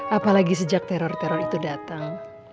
apalagi sejak teror teror itu datang